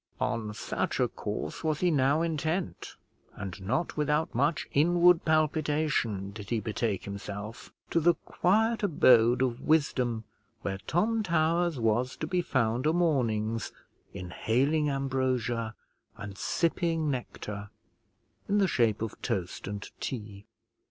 On such a course was he now intent; and not without much inward palpitation did he betake himself to the quiet abode of wisdom, where Tom Towers was to be found o' mornings inhaling ambrosia and sipping nectar in the shape of toast and tea.